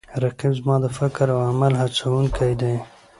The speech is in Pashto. رقیب زما د فکر او عمل هڅوونکی دی